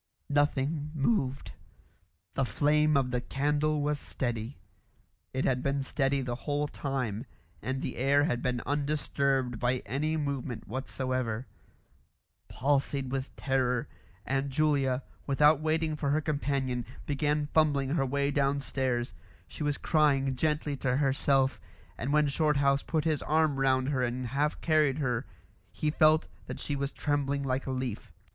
Nothing moved. The flame of the candle was steady. It had been steady the whole time, and the air had been undisturbed by any movement whatsoever. Palsied with terror, Aunt Julia, without waiting for her companion, began fumbling her way downstairs; she was crying gently to herself, and when Shorthouse put his arm round her and half carried her he felt that she was trembling like a leaf.